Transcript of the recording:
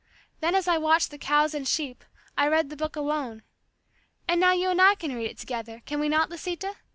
Then as I watched the cows and sheep, I read the Book alone. And now you and I can read it together; can we not, Lisita?